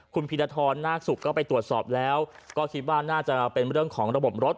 คุณพีรทรนาคศุกร์ก็ไปตรวจสอบแล้วก็คิดว่าน่าจะเป็นเรื่องของระบบรถ